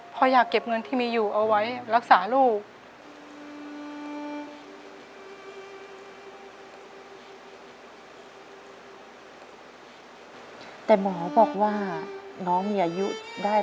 ไปอยู่โรงพยาบาลบางครั้งแม่กินน้ำแทนข้าว